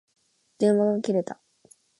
電話が切れた。